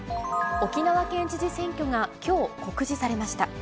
沖縄県知事選挙がきょう告示されました。